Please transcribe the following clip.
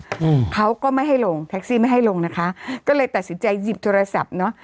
อืมเขาก็ไม่ให้ลงแท็กซี่ไม่ให้ลงนะคะก็เลยตัดสินใจหยิบโทรศัพท์เนอะ